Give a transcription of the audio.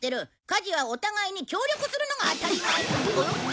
家事はお互いに協力するのが当たり前。